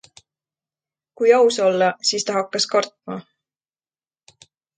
Kui aus olla, siis ta hakkas kartma.